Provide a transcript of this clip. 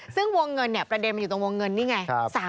ซึ่งวงเงินประเด็นมันอยู่ตรงวงเงินนี่ไง